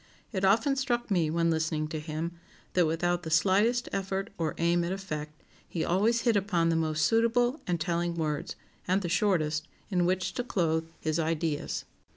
It often struck me, when listening to him, that without the slightest effort or aim at effect, he always hit upon the most suitable and telling words, (and the shortest), in which to clothe his ideas.